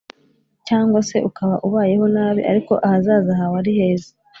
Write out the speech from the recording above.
cyangwa se ukaba ubayeho nabi ariko ahazaza hawe ari heza